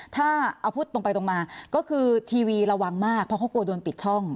ถ้าเอาพูดตรงไปตรงมาก็คือทีวีระวังมากเพราะเขากลัวโดนปิดช่อง